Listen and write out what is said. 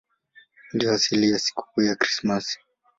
Ndiyo asili ya sikukuu ya Krismasi.